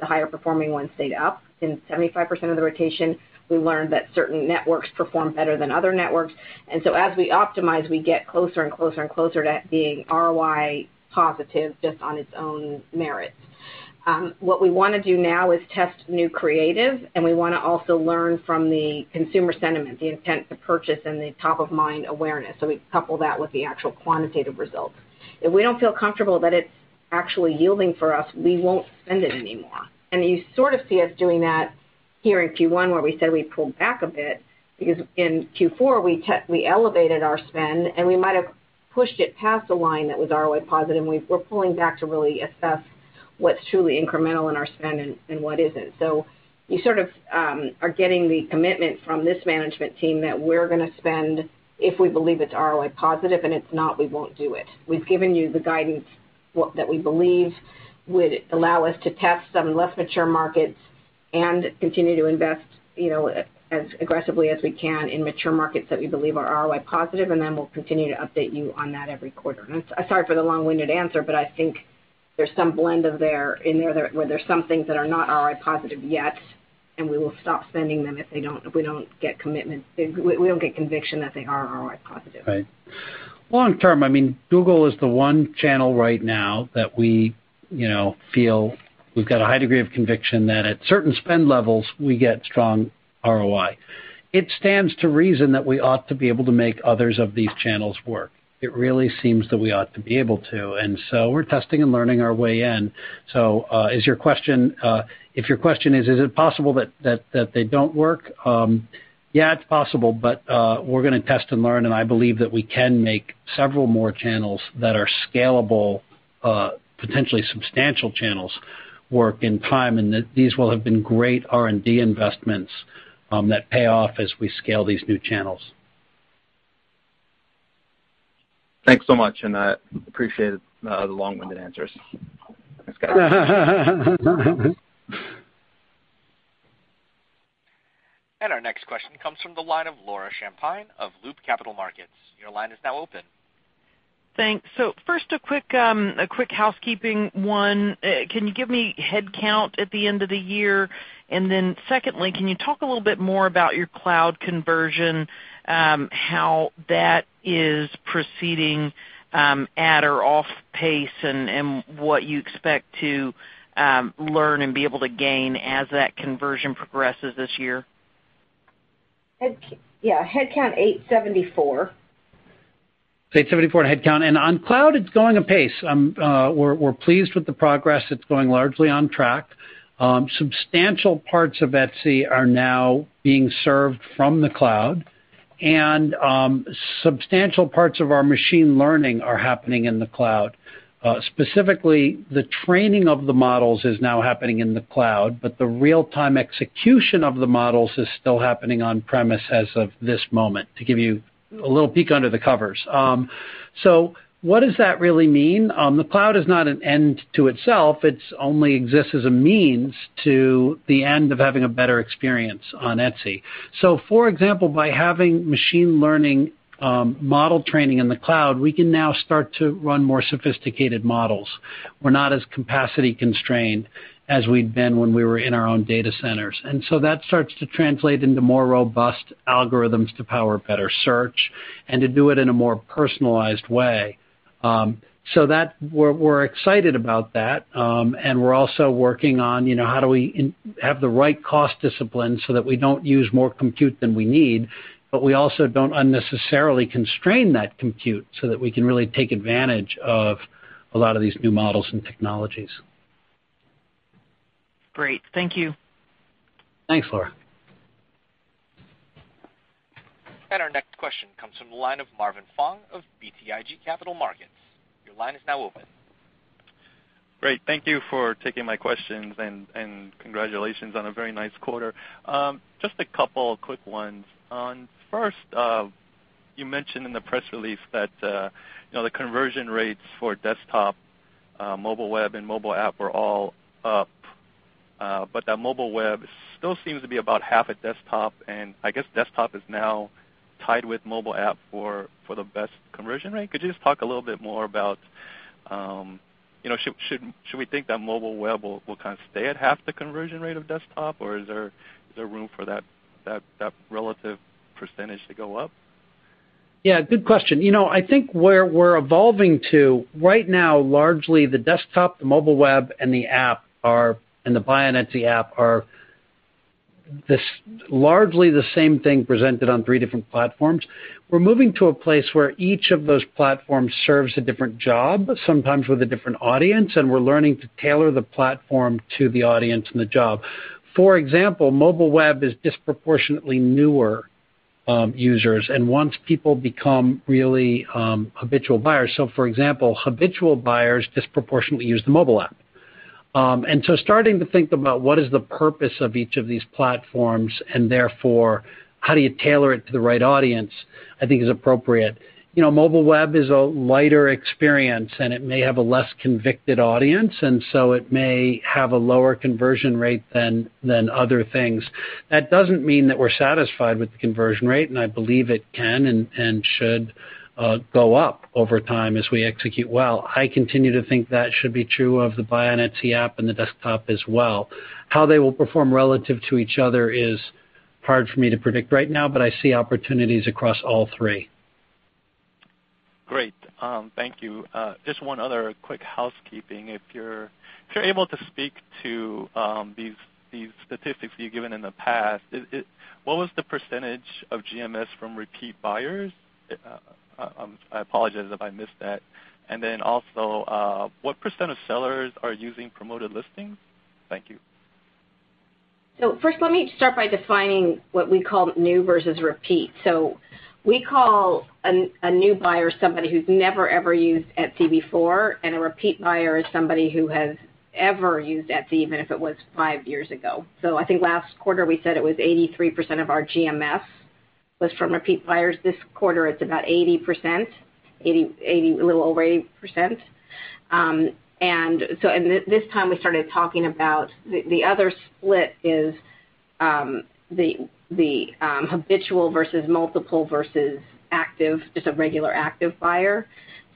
the higher performing one stayed up in 75% of the rotation. We learned that certain networks perform better than other networks. As we optimize, we get closer and closer and closer to being ROI positive just on its own merits. What we want to do now is test new creative, we want to also learn from the consumer sentiment, the intent to purchase, the top of mind awareness. We couple that with the actual quantitative results. If we don't feel comfortable that it's actually yielding for us, we won't spend it anymore. You sort of see us doing that here in Q1, where we said we pulled back a bit because in Q4 we elevated our spend, we might have pushed it past a line that was ROI positive, we're pulling back to really assess what's truly incremental in our spend and what isn't. You sort of are getting the commitment from this management team that we're going to spend if we believe it's ROI positive, it's not, we won't do it. We've given you the guidance that we believe would allow us to test some less mature markets and continue to invest as aggressively as we can in mature markets that we believe are ROI positive. We'll continue to update you on that every quarter. I'm sorry for the long-winded answer, I think there's some blend in there where there's some things that are not ROI positive yet, and we will stop spending them if we don't get conviction that they are ROI positive. Right. Long term, Google is the one channel right now that we feel we've got a high degree of conviction that at certain spend levels, we get strong ROI. It stands to reason that we ought to be able to make others of these channels work. It really seems that we ought to be able to. We're testing and learning our way in. If your question is it possible that they don't work? Yeah, it's possible, we're going to test and learn, and I believe that we can make several more channels that are scalable, potentially substantial channels work in time, and that these will have been great R&D investments that pay off as we scale these new channels. Thanks so much. I appreciate the long-winded answers. Thanks, guys. Our next question comes from the line of Laura Champine of Loop Capital Markets. Your line is now open. Thanks. First, a quick housekeeping one. Can you give me headcount at the end of the year? Secondly, can you talk a little bit more about your cloud conversion, how that is proceeding at or off pace, and what you expect to learn and be able to gain as that conversion progresses this year? Yeah. Headcount 874. 874 headcount. On cloud, it's going apace. We're pleased with the progress. It's going largely on track. Substantial parts of Etsy are now being served from the cloud. And substantial parts of our machine learning are happening in the cloud. Specifically, the training of the models is now happening in the cloud, but the real-time execution of the models is still happening on-premise as of this moment, to give you a little peek under the covers. What does that really mean? The cloud is not an end to itself. It only exists as a means to the end of having a better experience on Etsy. For example, by having machine learning model training in the cloud, we can now start to run more sophisticated models. We're not as capacity constrained as we'd been when we were in our own data centers. That starts to translate into more robust algorithms to power better search and to do it in a more personalized way. We're excited about that, and we're also working on how do we have the right cost discipline so that we don't use more compute than we need, but we also don't unnecessarily constrain that compute so that we can really take advantage of a lot of these new models and technologies. Great. Thank you. Thanks, Laura. Our next question comes from the line of Marvin Fong of BTIG Capital Markets. Your line is now open. Great. Thank you for taking my questions, and congratulations on a very nice quarter. Just a couple quick ones. First, you mentioned in the press release that the conversion rates for desktop, mobile web, and mobile app were all up, but that mobile web still seems to be about half at desktop, and I guess desktop is now tied with mobile app for the best conversion rate. Could you just talk a little bit more about, should we think that mobile web will kind of stay at half the conversion rate of desktop, or is there room for that relative percentage to go up? Yeah, good question. I think where we're evolving to right now, largely the desktop, the mobile web, and the Buy on Etsy app are largely the same thing presented on three different platforms. We're moving to a place where each of those platforms serves a different job, sometimes with a different audience, and we're learning to tailor the platform to the audience and the job. For example, mobile web is disproportionately newer users and wants people become really habitual buyers. For example, habitual buyers disproportionately use the mobile app. Starting to think about what is the purpose of each of these platforms, and therefore, how do you tailor it to the right audience, I think is appropriate. Mobile web is a lighter experience, and it may have a less convicted audience, it may have a lower conversion rate than other things. That doesn't mean that we're satisfied with the conversion rate, I believe it can and should go up over time as we execute well. I continue to think that should be true of the Buy on Etsy app and the desktop as well. How they will perform relative to each other is hard for me to predict right now, but I see opportunities across all three. Great. Thank you. Just one other quick housekeeping. If you're able to speak to these statistics that you've given in the past, what was the % of GMS from repeat buyers? I apologize if I missed that. Also, what % of sellers are using Promoted Listings? Thank you. First, let me start by defining what we call new versus repeat. We call a new buyer somebody who's never ever used Etsy before, and a repeat buyer is somebody who has ever used Etsy, even if it was five years ago. I think last quarter, we said it was 83% of our GMS was from repeat buyers. This quarter, it's about a little over 80%. This time, we started talking about the other split is the habitual versus multiple versus active, just a regular active buyer.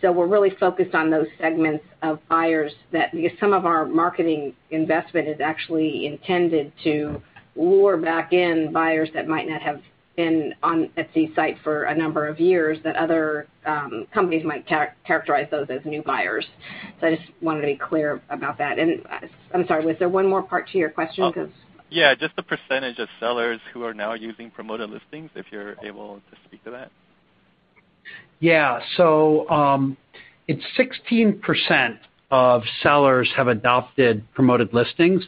We're really focused on those segments of buyers that because some of our marketing investment is actually intended to lure back in buyers that might not have been on Etsy site for a number of years, that other companies might characterize those as new buyers. I just wanted to be clear about that. I'm sorry, was there one more part to your question because? Yeah, just the percentage of sellers who are now using Promoted Listings, if you're able to speak to that. Yeah. It's 16% of sellers have adopted Promoted Listings.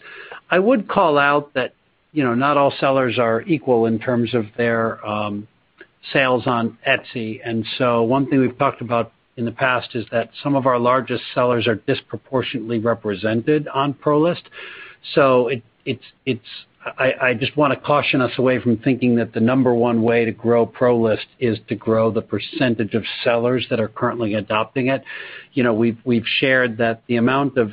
I would call out that not all sellers are equal in terms of their sales on Etsy. One thing we've talked about in the past is that some of our largest sellers are disproportionately represented on Promoted Listings. I just want to caution us away from thinking that the number one way to grow Promoted Listings is to grow the percentage of sellers that are currently adopting it. We've shared that the amount of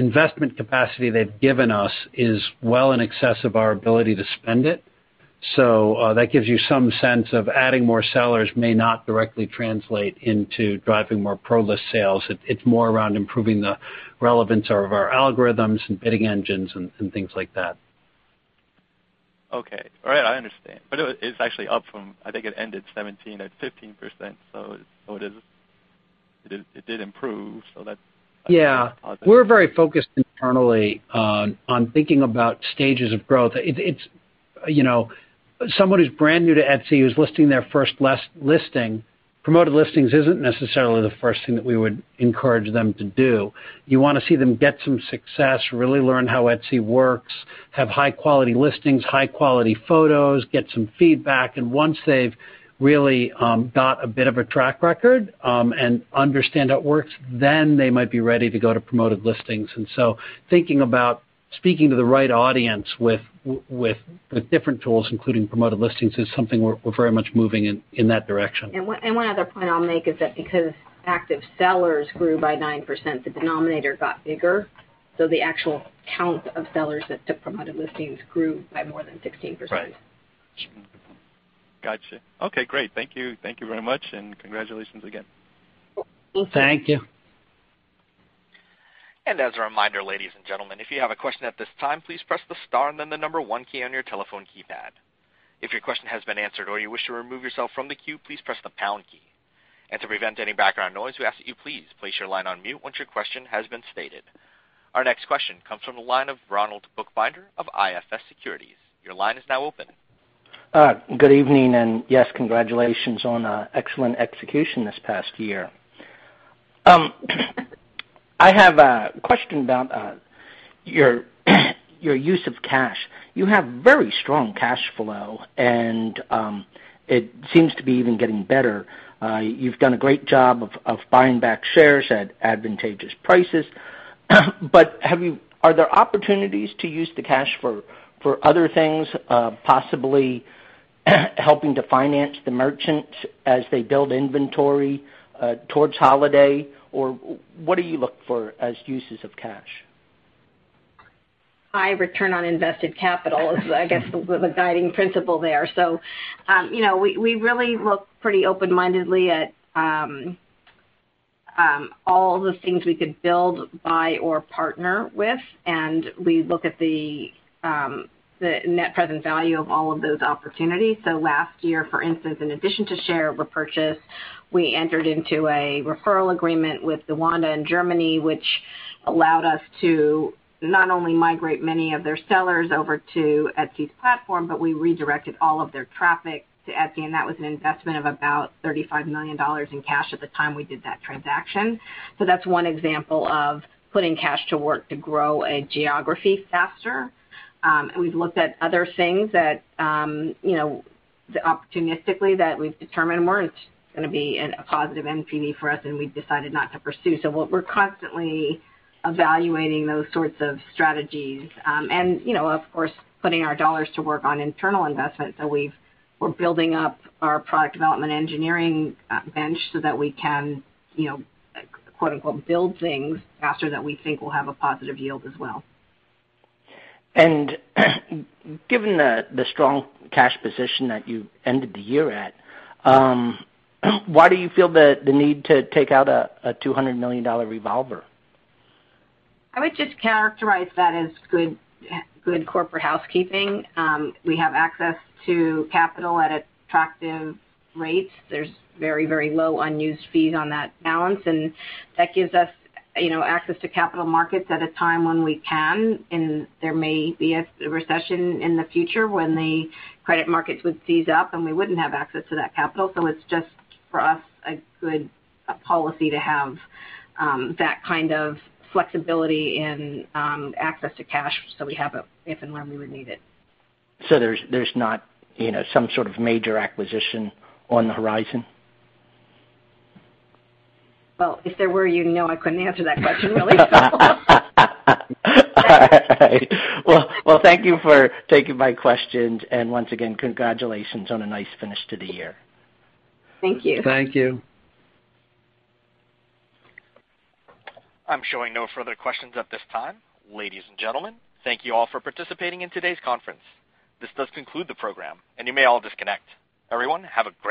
investment capacity they've given us is well in excess of our ability to spend it. That gives you some sense of adding more sellers may not directly translate into driving more Promoted Listings sales. It's more around improving the relevance of our algorithms and bidding engines and things like that. Okay. All right, I understand. It's actually up from, I think it ended 2017 at 15%, it did improve, that's- Yeah. We're very focused internally on thinking about stages of growth. Someone who's brand new to Etsy, who's listing their first listing, Promoted Listings isn't necessarily the first thing that we would encourage them to do. You want to see them get some success, really learn how Etsy works, have high-quality listings, high-quality photos, get some feedback, and once they've really got a bit of a track record, and understand how it works, then they might be ready to go to Promoted Listings. Thinking about speaking to the right audience with different tools, including Promoted Listings, is something we're very much moving in that direction. One other point I'll make is that because active sellers grew by 9%, the denominator got bigger. The actual count of sellers that took Promoted Listings grew by more than 16%. Right. Got you. Okay, great. Thank you. Thank you very much, and congratulations again. Thank you. As a reminder, ladies and gentlemen, if you have a question at this time, please press the star and then the number 1 key on your telephone keypad. If your question has been answered or you wish to remove yourself from the queue, please press the pound key. To prevent any background noise, we ask that you please place your line on mute once your question has been stated. Our next question comes from the line of Ronald Bookbinder of IFS Securities. Your line is now open. Good evening, yes, congratulations on an excellent execution this past year. I have a question about your use of cash. You have very strong cash flow, and it seems to be even getting better. You've done a great job of buying back shares at advantageous prices. Are there opportunities to use the cash for other things, possibly helping to finance the merchants as they build inventory towards Holiday? What do you look for as uses of cash? High return on invested capital is, I guess, the guiding principle there. We really look pretty open-mindedly at all the things we could build, buy, or partner with. We look at the net present value of all of those opportunities. Last year, for instance, in addition to share repurchase, we entered into a referral agreement with DaWanda in Germany, which allowed us to not only migrate many of their sellers over to Etsy's platform, but we redirected all of their traffic to Etsy, and that was an investment of about $35 million in cash at the time we did that transaction. That's one example of putting cash to work to grow a geography faster. We've looked at other things that, opportunistically, that we've determined weren't going to be a positive NPV for us, and we've decided not to pursue. We're constantly evaluating those sorts of strategies. Of course, putting our dollars to work on internal investments. We're building up our product development engineering bench so that we can, quote unquote, "build things" faster that we think will have a positive yield as well. Given the strong cash position that you ended the year at, why do you feel the need to take out a $200 million revolver? I would just characterize that as good corporate housekeeping. We have access to capital at attractive rates. There's very low unused fees on that balance, that gives us access to capital markets at a time when we can, there may be a recession in the future when the credit markets would seize up, we wouldn't have access to that capital. It's just, for us, a good policy to have that kind of flexibility and access to cash, so we have it if and when we would need it. There's not some sort of major acquisition on the horizon? Well, if there were, you know I couldn't answer that question, really. All right. Well, thank you for taking my questions. Once again, congratulations on a nice finish to the year. Thank you. Thank you. I'm showing no further questions at this time. Ladies and gentlemen, thank you all for participating in today's conference. This does conclude the program, and you may all disconnect. Everyone, have a great day.